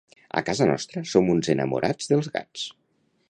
A casa nostra som uns enamorats dels gats.